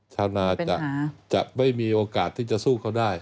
ชาวนาจะไม่มีโอกาสที่จะสู้เขาได้